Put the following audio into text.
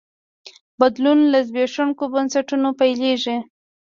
بدلون له زبېښونکو بنسټونو پیلېږي.